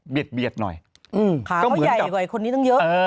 เบียดเบียดหน่อยอืมขาเขาใหญ่กว่าไอ้คนนี้ตั้งเยอะเออ